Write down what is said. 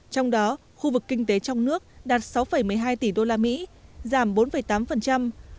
trong đó khu vực kinh tế trong nước đạt sáu một mươi hai tỷ usd giảm bốn tám